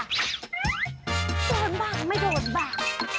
โดนบากไม่โดนบาก